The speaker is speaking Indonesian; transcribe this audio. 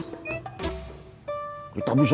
dulu telpon untuk mendekatkan yang jauh